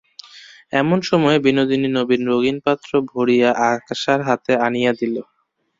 এমন সময় বিনোদিনী নবীন রঙিন পাত্র ভরিয়া আশার হাতে আনিয়া দিল।